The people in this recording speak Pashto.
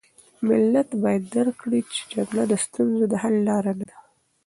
ملت باید درک کړي چې جګړه د ستونزو د حل لاره نه ده.